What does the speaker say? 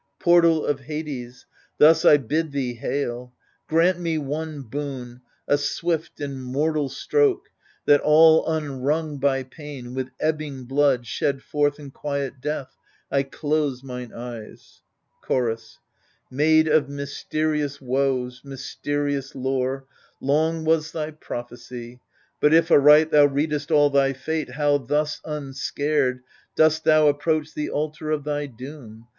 Portal of Hades, thus I bid thee hail ! Grant me one boon — a swift and mortal stroke, That all unwrung by pain, with ebbing blood Shed forth in quiet death, I dose mine eyes. Chorus Maid of mysterious woes, mysterious lore, Long was thy prophecy : but if aright Thou readest all thy fate, how, thus unscared. Dost thou approach the altar of thy doom.